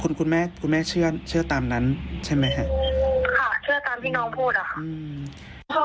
คุณคุณแม่คุณแม่เชื่อเชื่อตามนั้นใช่ไหมฮะค่ะเชื่อตามที่น้องพูดอ่ะค่ะอืม